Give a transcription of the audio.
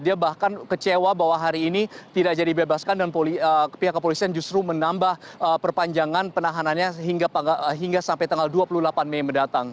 dia bahkan kecewa bahwa hari ini tidak jadi bebaskan dan pihak kepolisian justru menambah perpanjangan penahanannya hingga sampai tanggal dua puluh delapan mei mendatang